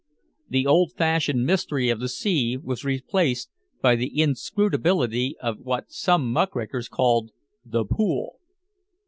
The old fashioned mystery of the sea was replaced by the inscrutability of what some muckrakers called "The Pool."